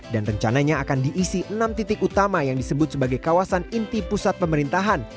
dan rencananya akan diisi enam titik utama yang disebut sebagai kawasan inti pusat pemerintahan